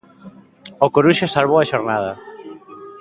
O Coruxo salvou a xornada.